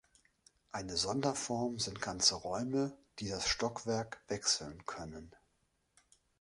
Eine Sonderform sind ganze Räume, die das Stockwerk wechseln können.